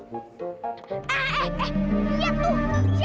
masa gak jadi itu